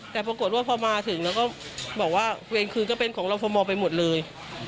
แต่ปรากฏว่าพอมาถึงแล้วก็บอกว่าเวรคืนก็เป็นของเราฟมไปหมดเลย